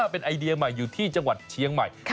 เป็นไอเดียใหม่อยู่ที่จังหวัดเชียงใหม่